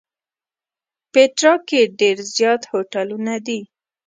پېټرا کې ډېر زیات هوټلونه دي.